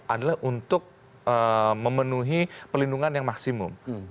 adalah untuk memenuhi pelindungan yang maksimum